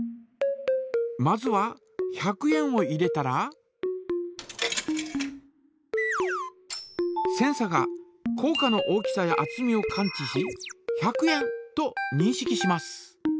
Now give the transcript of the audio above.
まずは１００円を入れたらセンサがこう貨の大きさやあつみを感知し「１００円」とにんしきします。